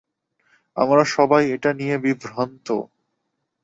আমরা সবাই এটা নিয়ে বিভ্রান্ত!